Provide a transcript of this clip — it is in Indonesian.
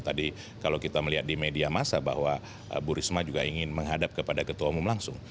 tadi kalau kita melihat di media masa bahwa bu risma juga ingin menghadap kepada ketua umum langsung